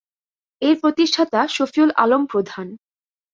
এর প্রতিষ্ঠাতা শফিউল আলম প্রধান।